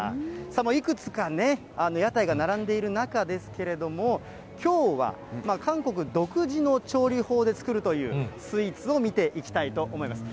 いくつかね、屋台が並んでいる中ですけれども、きょうは、韓国独自の調理法で作るというスイーツを見ていきたいと思います。